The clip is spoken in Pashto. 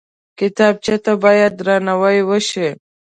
کتابچه ته باید درناوی وشي